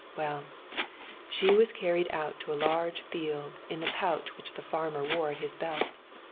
Well, she was carried out to a large field in the pouch which the farmer wore at his belt.